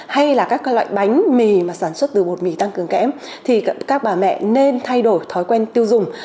hay là các loại bánh mì mà sản xuất từ bột mì tăng cường kẽm thì các bà mẹ nên thay đổi thói quen tiêu dùng